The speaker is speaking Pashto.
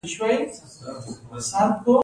ایا زه باید ټکسي وچلوم؟